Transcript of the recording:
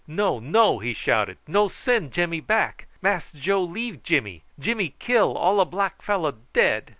"No, no," he shouted, "no send Jimmy back. Mass Joe leave Jimmy Jimmy kill all a black fellow dead."